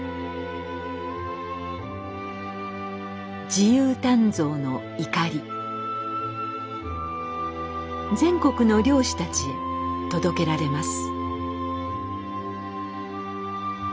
自由鍛造の錨全国の漁師たちへ届けられます。